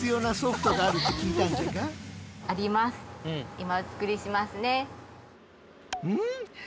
今お作りしますね。